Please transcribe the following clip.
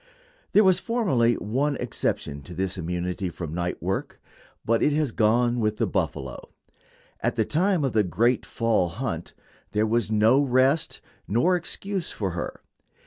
There was formerly one exception to this immunity from night work, but it has gone with the buffalo. At the time of the "great fall hunt" there was no rest nor excuse for her.